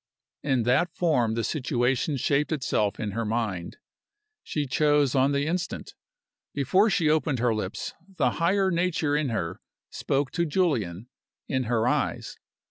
In that form the situation shaped itself in her mind. She chose on the instant. Before she opened her lips the higher nature in her spoke to Julian, in her eyes.